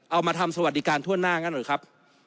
เอามาทำสวัสดิการทั่วหน้างั้นหน่อยครับ